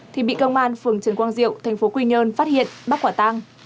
thì bị công an phường trần quang diệu thành phố quy nhơn phát hiện bắt quả tăng